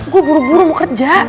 gue buru buru mau kerja